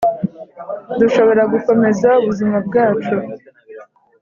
dushobora gukomeza ubuzima bwacu